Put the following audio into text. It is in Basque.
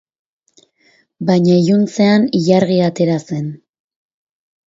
Baina iluntzean ilargia atera zen.